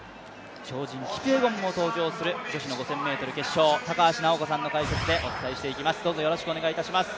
超人キピエゴンも登場する女子の５０００ｍ決勝、高橋尚子さんの解説でお伝えしていきます。